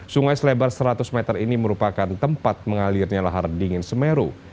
sungai selebar seratus meter ini merupakan tempat mengalirnya lahar dingin semeru